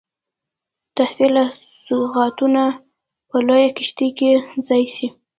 تحفې او سوغاتونه په لویه کښتۍ کې ځای سي.